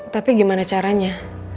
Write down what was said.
tapi gimana caranya